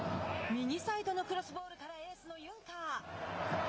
右サイドのクロスボールからエースのユンカー。